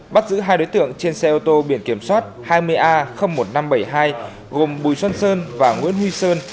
bắt giữ hai đối tượng trên xe ô tô biển kiểm soát hai mươi a một nghìn năm trăm bảy mươi hai gồm bùi xuân sơn và nguyễn huy sơn